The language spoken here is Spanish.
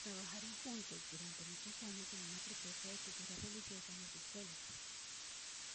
Trabajaron juntos durante muchos años en una propuesta de cultura religiosa en las escuelas.